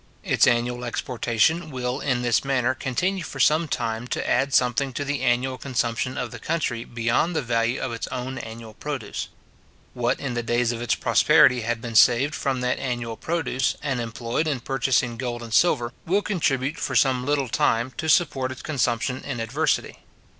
Its annual exportation will, in this manner, continue for some time to add something to the annual consumption of the country beyond the value of its own annual produce. What in the days of its prosperity had been saved from that annual produce, and employed in purchasing gold and silver, will contribute, for some little time, to support its consumption in adversity.